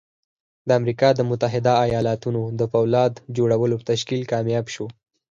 د امريکا د متحده ايالتونو د پولاد جوړولو تشکيل کامياب شو.